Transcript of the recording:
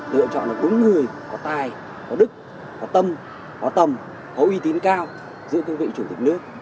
lựa chọn là đúng người có tài có đức có tâm có tầm có uy tín cao giữa cương vị chủ tịch nước